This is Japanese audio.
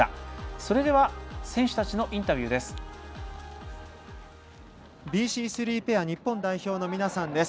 それでは、選手たちのインタビューです。